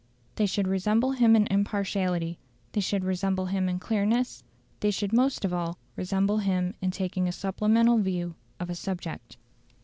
They should resemble him in impartiality; they should resemble him in clearness; they should most of all resemble him in taking a supplemental view of a subject.